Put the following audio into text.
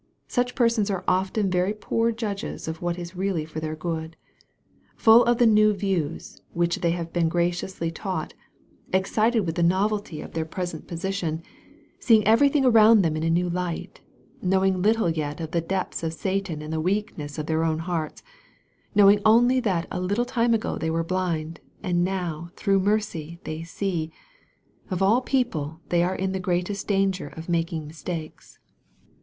Such persons are often very poor judges of what is really for their good. Full of the new views which they have been gracicusly taught, excited with the novelty of their present MARK, CHAP. V. 95 tion, seeing everything around them in a new light, knowing little yet of the depths of Satan and the weak ness of their own hearts knowing only that a little time ago they were blind, and now, through mercy, they see of all people they are in the greatest danger of making mistakes.